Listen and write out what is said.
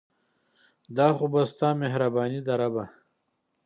دا خو بس ستا مهرباني ده ربه